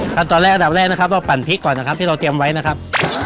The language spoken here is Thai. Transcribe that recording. ตอนแรกอันดับแรกนะครับเราปั่นพริกก่อนนะครับที่เราเตรียมไว้นะครับ